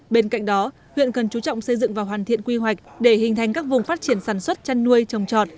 bên cạnh đó huyện cần chú trọng xây dựng và hoàn thiện quy hoạch để hình thành các vùng phát triển sản xuất chăn nuôi trồng trọt